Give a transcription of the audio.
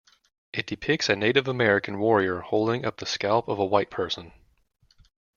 It depicts a Native American warrior holding up the scalp of a white person.